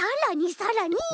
さらに？